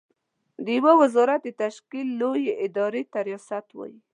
د يوه وزارت د تشکيل لويې ادارې ته ریاست وايې.